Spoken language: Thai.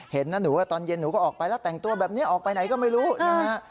เห็นนะหนูว่าตอนเย็นหนูก็ออกไปแล้วแต่งตัวแบบนี้ออกไปไหนก็ไม่รู้นะฮะ